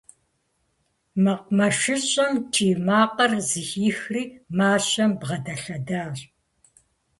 МэкъумэшыщӀэм кӀий макъыр зэхихри, мащэм бгъэдэлъэдащ.